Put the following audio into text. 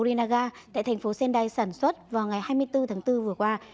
của morinaga tại thành phố sendai sản xuất vào ngày hai mươi bốn tháng bốn vừa qua